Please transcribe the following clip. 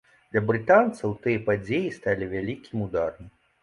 Для брытанцаў тыя падзеі сталі вялікім ударам.